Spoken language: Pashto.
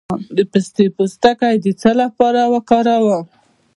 د پسته پوستکی د څه لپاره وکاروم؟